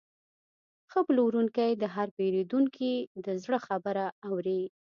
ښه پلورونکی د هر پیرودونکي د زړه خبره اوري.